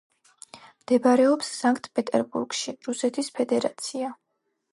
მდებარეობს სანქტ-პეტერბურგში, რუსეთის ფედერაცია.